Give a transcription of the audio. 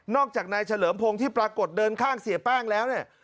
จากนายเฉลิมพงศ์ที่ปรากฏเดินข้างเสียแป้งแล้วเนี่ย